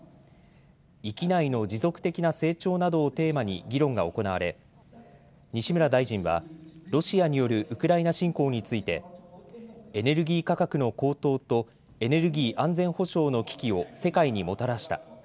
域内の持続的な成長などをテーマに議論が行われ西村大臣はロシアによるウクライナ侵攻についてエネルギー価格の高騰とエネルギー安全保障の危機を世界にもたらした。